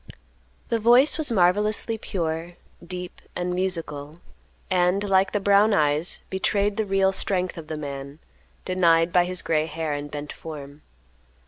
The voice was marvelously pure, deep, and musical, and, like the brown eyes, betrayed the real strength of the man, denied by his gray hair and bent form.